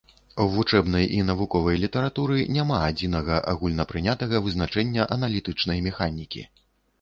У вучэбнай і навуковай літаратуры няма адзінага агульнапрынятага вызначэння аналітычнай механікі.